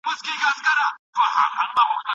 د دې ښکلا د جاذبې کیسه به څوک ولیکي؟